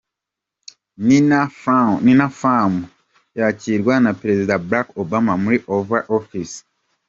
Nina Pham yakirwa na Perezida Barack Obama muri Oval Office.